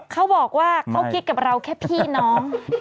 เขาบอกว่าเขาคิดกับเราแค่พี่น้อง